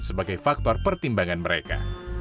sebagai faktor pertimbangan mereka